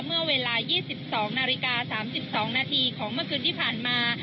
เมื่อเวลา๒๒นาฬิกา๓๒นาทีของเมื่อคืนที่ผ่านมา